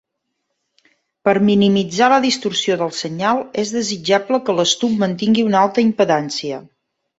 Per minimitzar la distorsió del senyal, és desitjable que l'estub mantingui una alta impedància.